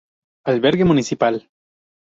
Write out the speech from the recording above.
Albergue municipal.